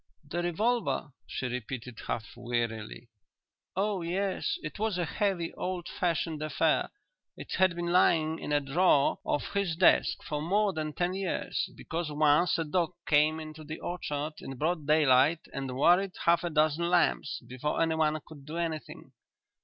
"The revolver?" she repeated half wearily; "oh yes. It was a heavy, old fashioned affair. It had been lying in a drawer of his desk for more than ten years because once a dog came into the orchard in broad daylight light and worried half a dozen lambs before anyone could do anything."